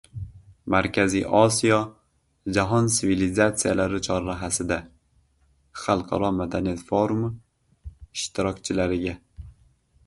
“Markaziy Osiyo – jahon sivilizatsiyalari chorrahasida” xalqaro madaniyat forumi ishtirokchilariga